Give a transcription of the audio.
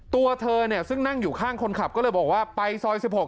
ตัวเธอซึ่งนั่งอยู่ข้างคนขับก็เลยบอกว่าไปซอย๑๖